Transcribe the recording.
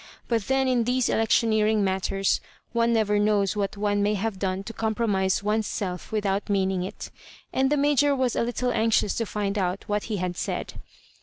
But then in these electioneering matters one never knows what one may have done to compromise one^s self without meaning it ; and the Major was a little anxious to find out what he had said.